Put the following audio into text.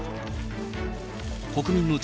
国民の力